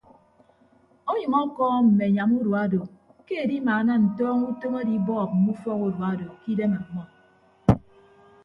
Ọnyʌñ ọkọọm mme anyam urua odo ke edimaana ntọọñọ utom adibọọp mme ufọk urua odo ke idem ọmmọ.